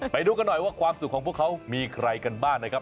ไปดูกันหน่อยว่าความสุขของพวกเขามีใครกันบ้างนะครับ